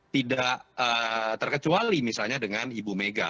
tidak terkecuali misalnya dengan ibu mega